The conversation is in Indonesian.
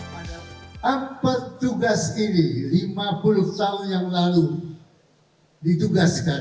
pada angkut tugas ini lima puluh tahun yang lalu ditugaskan